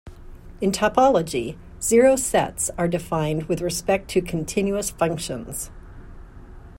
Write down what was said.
In topology, zero sets are defined with respect to continuous functions.